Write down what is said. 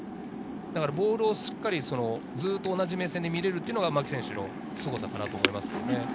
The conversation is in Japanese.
ボールをしっかりずっと同じ目線で見られるのは牧選手のすごさだと思います。